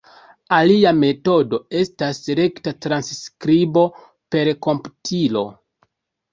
Alia metodo estas rekta transskribo per komputilo.